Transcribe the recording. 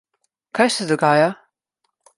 Kaj se dogaja?